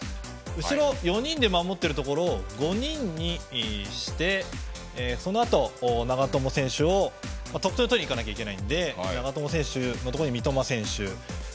後ろ４人で守ってるところを５人にして、そのあと得点を取りにいかなきゃいけないので長友選手のところに三笘選手。